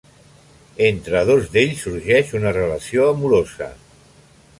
Entre dos d'ells sorgeix una relació amorosa.